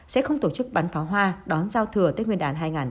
sẽ không tổ chức bắn pháo hoa đón giao thừa tết nguyên đán hai nghìn hai mươi bốn